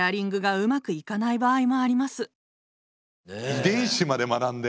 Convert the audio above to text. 遺伝子まで学んで？